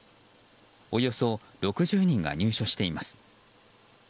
およそ６０人が入所しています。